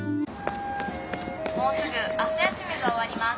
「もうすぐ朝休みがおわります。